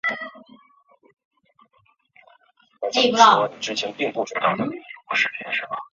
国际足球协会理事会是讨论和决定修改足球规则的国际团体。